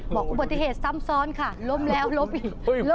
บอกอุบัติเหตุซ้ำซ้อนค่ะล้มแล้วล้มอีก